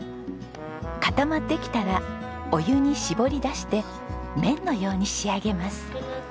固まってきたらお湯に絞り出して麺のように仕上げます。